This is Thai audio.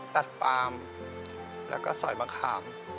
ตัดย่าตัดการ์ด